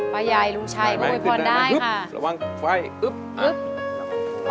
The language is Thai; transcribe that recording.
ป้าใหญ่ลุงชัยคุณโอ้ยพรได้ค่ะอุ๊บระวังไฟอุ๊บอุ๊บ